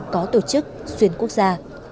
có tổ chức xuyên quốc gia